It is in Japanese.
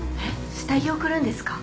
下着贈るんですか？